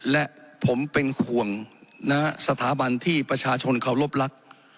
และผมเป็นห่วงนะฮะสถาบันที่ประชาชนเขารบลักษณ์